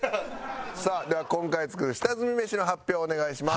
さあでは今回作る下積みメシの発表をお願いします。